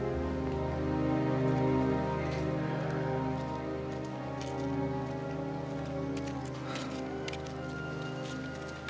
dimana juga saatnya cari duit buat dunia